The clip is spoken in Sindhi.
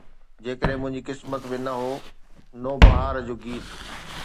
جيڪڏهن منهنجي قسمت ۾ نه هو، نوبهار جو گيت